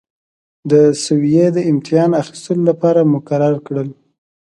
د سویې د امتحان اخیستلو لپاره مقرر کړل.